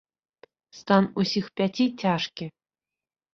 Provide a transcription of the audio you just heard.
Стан усіх пяці цяжкі.